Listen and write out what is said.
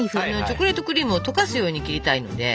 チョコレートクリームを溶かすように切りたいので。